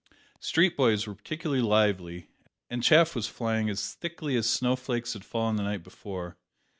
Street boys were particularly lively, and chaff was flying as thickly as snow flakes had fallen the night before.